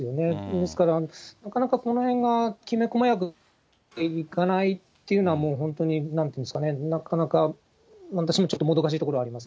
ですから、なかなかこのへんがきめ細かく行かないっていうのは、もう本当になんて言うんですかね、なかなか私ももどかしいところあります。